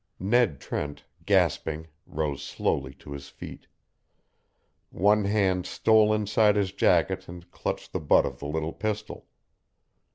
Ned Trent, gasping, rose slowly to his feet. One hand stole inside his jacket and clutched the butt of the little pistol.